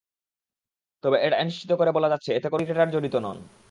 তবে এটা নিশ্চিত করে বলা যাচ্ছে, এতে কোনো ক্রিকেটার জড়িত নন।